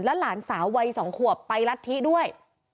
หลานสาววัย๒ขวบไปรัฐธิด้วย